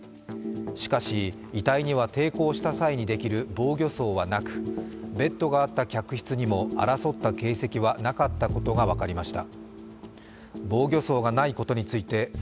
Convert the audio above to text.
しかし、遺体には抵抗した際にできる防御創はなくベッドがあった客室にも争った形跡がなかったことが分かりました。